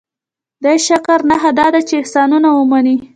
دې شکر نښه دا ده چې احسانونه ومني.